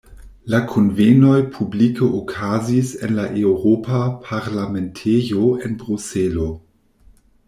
La kunvenoj publike okazis en la Eŭropa Parlamentejo en Bruselo.